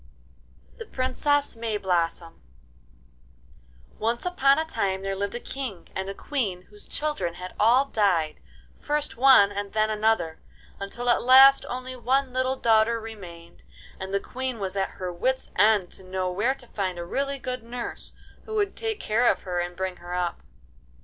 THE PRINCESS MAYBLOSSOM Once upon a time there lived a King and Queen whose children had all died, first one and then another, until at last only one little daughter remained, and the Queen was at her wits' end to know where to find a really good nurse who would take care of her, and bring her up.